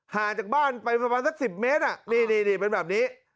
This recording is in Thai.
ห่างจากบ้านไปประมาณสัก๑๐เมตรนี่เป็นแบบนี้